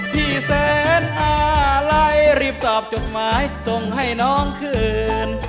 พี่แสนอะไรรีบตอบจดหมายส่งให้น้องคืน